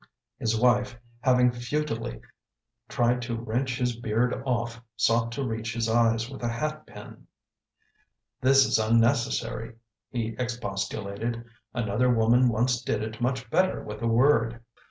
His wife, having futilely tried to wrench his beard off, sought to reach his eyes with a hat pin. " This is unnecessary," he expostulated. " Another woman once did it much better with a word."